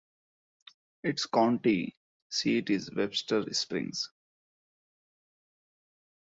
Its county seat is Webster Springs.